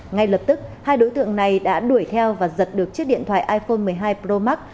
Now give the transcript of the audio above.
ngay lập tức hai đối tượng này đã đuổi theo và giật được chiếc điện thoại iphone một mươi hai pro max